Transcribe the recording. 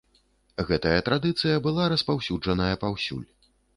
Гэтая традыцыя была распаўсюджаная паўсюль.